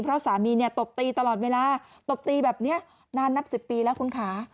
เพราะสามีเนี่ยตบตีตลอดเวลาตบตีแบบนี้นานนับ๑๐ปีแล้วคุณค่ะ